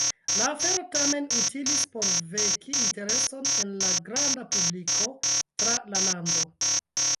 La afero tamen utilis por veki intereson en la granda publiko tra la lando.